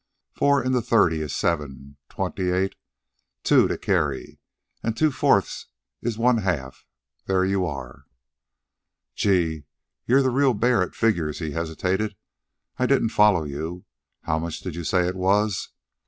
"Four into thirty is seven, twenty eight, two to carry; and two fourths is one half. There you are." "Gee! You're the real bear at figures." He hesitated. "I didn't follow you. How much did you say it was?"